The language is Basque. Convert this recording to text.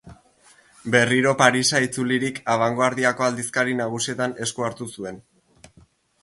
Berriro Parisa itzulirik, abangoardiako aldizkari nagusietan esku hartu zuen.